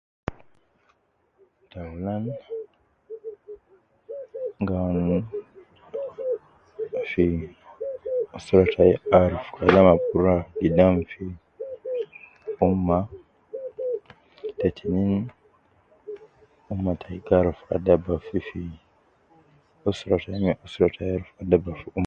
Ta aulan ga awunu fi sir ta arufu Kalam Al gi ruwa gidam fi ummah, te tinin ummah tayi gibarufu adab ehh